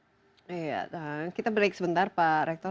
iya dan kita break sebentar pak rektor